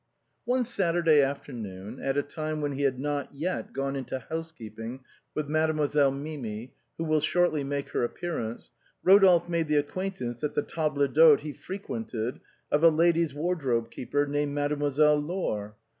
One Saturday evening, at a time when he had not yet gone into housekeeping with Mademoislle Mimi, who will shortly make her appearance, Rodolphe made the acquaint ance at the table d'hôte he frequented of a ladies' wardrobe keeper, named Mademoiselle Laure.